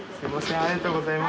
ありがとうございます。